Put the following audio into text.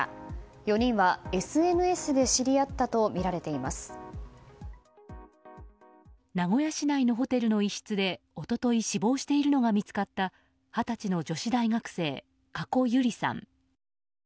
４人はＳＮＳで知り合ったと名古屋市内のホテルの一室で一昨日、死亡しているのが見つかった二十歳の女子大学生加古結莉さん。